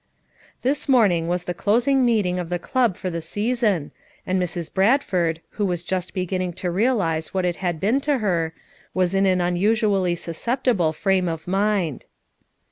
This morning was the closing meeting of the club for the season, and Mrs. Bradford, who was just beginning to realize what it had been to her, was in an unusually susceptible frame of mind.